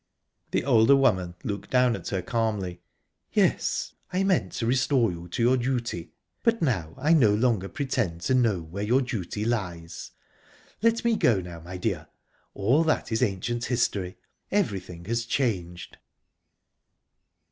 The older woman looked down at her calmly. "Yes, I meant to restore you to your duty. But now I no longer pretend to know where your duty lies. Let me go now, my dear. All that is ancient history; everything has changed."